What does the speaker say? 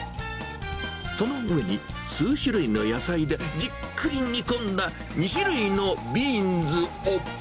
その上に数種類の野菜でじっくり煮込んだ２種類のビーンズを。